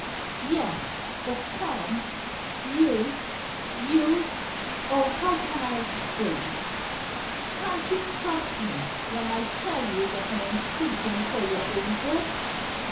"Yes, but Tom, you you Oh, how can I explain? Can't you trust me when I tell you that I am speaking for your own good?